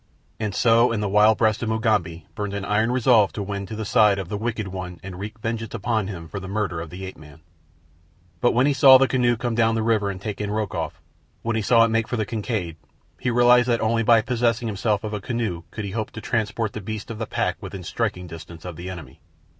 And so in the wild breast of Mugambi burned an iron resolve to win to the side of the wicked one and wreak vengeance upon him for the murder of the ape man. But when he saw the canoe come down the river and take in Rokoff, when he saw it make for the Kincaid, he realized that only by possessing himself of a canoe could he hope to transport the beasts of the pack within striking distance of the enemy.